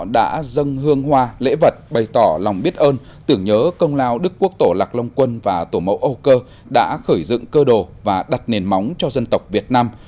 đã dâng hương hoa lễ vật bày tỏ lòng biết ơn tưởng nhớ công lao đức quốc tổ lạc long quân và tổ mẫu âu cơ đã khởi dựng cơ đồ và đặt nền móng cho dân tộc việt nam